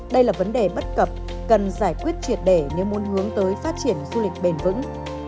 đây là vấn đề bất cập cần giải quyết triệt để nếu muốn hướng tới phát triển du lịch bền vững